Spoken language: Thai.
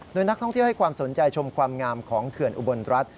โดยนักท่องเที่ยวให้ความสนใจชมความงามของเขื่อนอุบลรัฐ